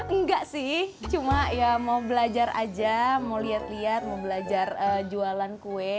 enggak sih cuma ya mau belajar aja mau lihat lihat mau belajar jualan kue